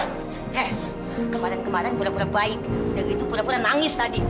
hei kemarin kemarin pura pura baik dari itu pura pura nangis tadi